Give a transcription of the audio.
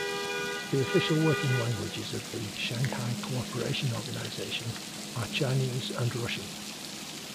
The official working languages of the Shanghai Cooperation Organisation are Chinese and Russian.